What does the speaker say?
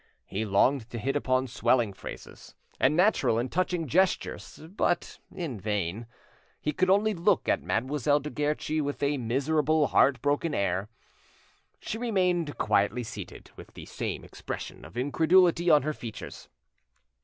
He longed to hit upon swelling phrases and natural and touching gestures, but in vain. He could only look at Mademoiselle de Guerchi with a miserable, heart broken air. She remained quietly seated, with the same expression of incredulity on her features.